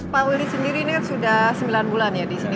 pak willy sendiri ini kan sudah sembilan bulan ya di sini